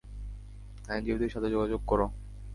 আইনজীবীদের সাথে যোগাযোগ কর।